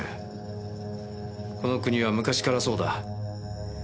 この国は昔からそうだ。